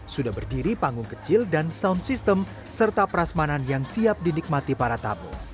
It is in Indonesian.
sudah berdiri panggung kecil dan sound system serta prasmanan yang siap dinikmati para tamu